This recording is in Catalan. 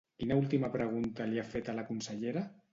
Quina última pregunta li ha fet a la consellera?